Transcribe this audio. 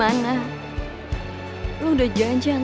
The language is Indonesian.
udah sampai langsung